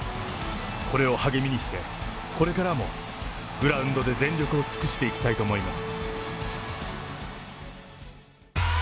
これを励みにして、これからもグラウンドで全力を尽くしていきたいと思います。